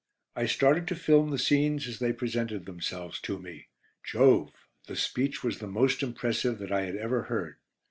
I started to film the scenes as they presented themselves to me. Jove! The speech was the most impressive that I had ever heard.